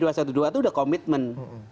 itu sudah komitmen